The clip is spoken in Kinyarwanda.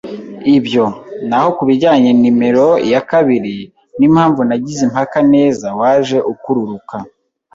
ibyo. Naho kubijyanye numero ya kabiri, n'impamvu nagize impaka - neza, waje ukururuka